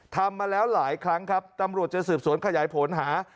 ทำมาแล้วหลายครั้งครับตำรวจจะสืบสวนขยายผลหา